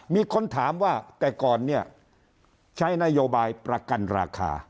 มีคนถามว่าแต่ก่อนเนี่ยใช้นโยบายประกันราคา